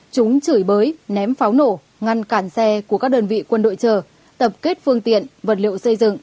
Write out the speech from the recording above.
chúng chửi bới ném pháo nổ ngăn cản xe của các đơn vị quân đội chờ tập kết phương tiện vật liệu xây dựng